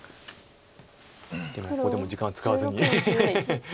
でもここでも時間使わずに。